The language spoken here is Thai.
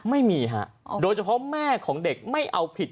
ไม่มีฮะโดยเฉพาะแม่ของเด็กไม่เอาผิด